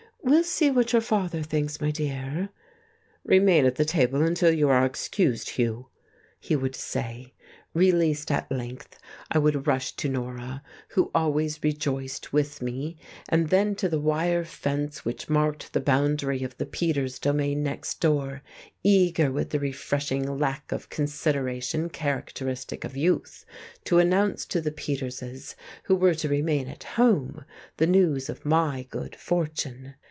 "We'll see what your father thinks, my dear." "Remain at the table until you are excused, Hugh," he would say. Released at length, I would rush to Norah, who always rejoiced with me, and then to the wire fence which marked the boundary of the Peters domain next door, eager, with the refreshing lack of consideration characteristic of youth, to announce to the Peterses who were to remain at home the news of my good fortune.